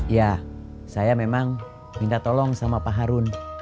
ya saya memang minta tolong sama pak harun